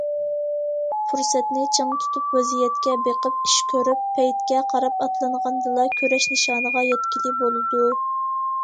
پۇرسەتنى چىڭ تۇتۇپ، ۋەزىيەتكە بېقىپ ئىش كۆرۈپ، پەيتكە قاراپ ئاتلانغاندىلا، كۈرەش نىشانىغا يەتكىلى بولىدۇ.